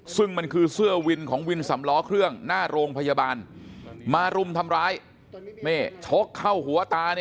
ซึ่งมันคือเสื้อวินของวินสำล้อเครื่องหน้าโรงพยาบาลมารุมทำร้ายชกเข้าหัวตา